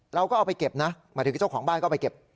เราก็เอาไปเก็บนะหมายถึงเจ้าของบ้านก็ไปเก็บ